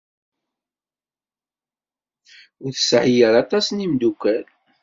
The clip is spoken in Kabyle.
Ur tesɛi ara aṭas n yimeddukal.